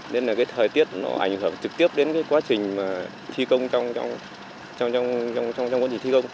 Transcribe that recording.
nên thời tiết ảnh hưởng trực tiếp đến quá trình thi công trong quá trình thi công